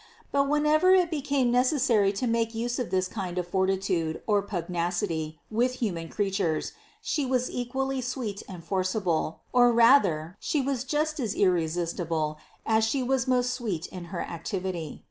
But whenever it became necessary to make use of this kind of fortitude or pugnacity with hu man creatures, She was equally sweet and forcible, or rather, She was just as irresistible as She was most sweet in her activity.